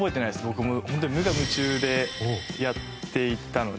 僕も本当に無我夢中でやっていったので。